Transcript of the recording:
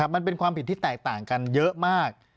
มันเป็นความผิดที่แตกต่างกันเยอะมาก